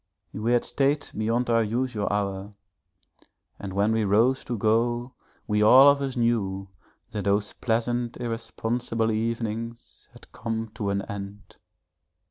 We had stayed beyond our usual hour and when we rose to go we all of us knew that those pleasant irresponsible evenings had come to an end.